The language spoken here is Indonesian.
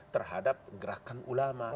terhadap gerakan ulama